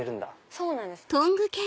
そうなんです。